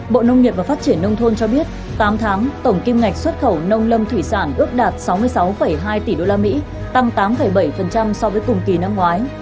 bộ nông nghiệp và phát triển nông thôn cho biết tám tháng tổng kim ngạch xuất khẩu nông lâm thủy sản ước đạt sáu mươi sáu hai tỷ usd tăng tám bảy so với cùng kỳ năm ngoái